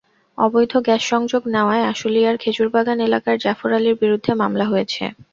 অবৈধ গ্যাস-সংযোগ নেওয়ায় আশুলিয়ার খেজুরবাগান এলাকার জাফর আলীর বিরুদ্ধে মামলা হয়েছে।